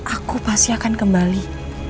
aku pasti akan kembali